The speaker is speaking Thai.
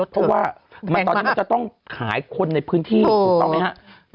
เพราะว่าตอนนี้มันจะต้องขายคนในพื้นที่ถูกต้องไหมครับ